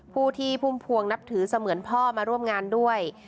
ผู้ที่พุ่มพวงนับถือเสมือนพ่อมาร่วมงานด้วย